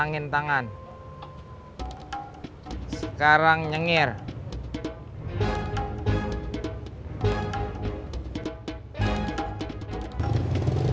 yang ketiga menang mimana garlic